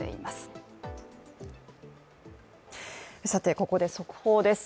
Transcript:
ここで速報です。